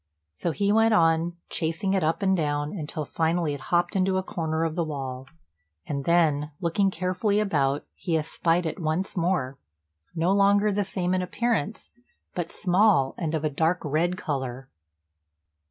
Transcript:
So he went on, chasing it up and down, until finally it hopped into a corner of the wall; and then, looking carefully about, he espied it once more, no longer the same in appearance, but small, and of a dark red colour.